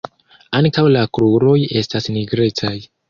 Ankaŭ la kruroj estas nigrecaj.